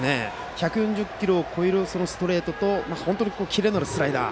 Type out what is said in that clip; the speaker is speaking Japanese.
１４０キロを超えるストレートと本当にキレのあるスライダー。